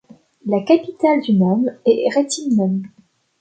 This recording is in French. La capitale du nome est Réthymnon.